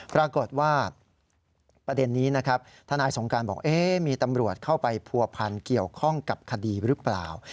ปรากฏว่าประเด็นนี้นะครับทนายสงการบอกมีตำรวจเข้าไปผัวพันเกี่ยวข้องกับคดีหรือเปล่า